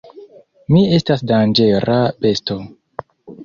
"Mi estas danĝera besto!"